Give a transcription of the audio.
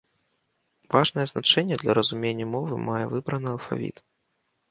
Важнае значэнне для разумення мовы мае выбраны алфавіт.